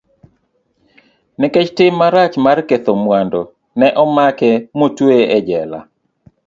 Nikech tim marach mar ketho mwandu, ne omake motueye e jela.